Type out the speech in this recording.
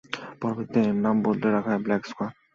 পরবর্তীতে, এর নাম বদলে রাখা হয় ব্ল্যাক স্কোয়াড।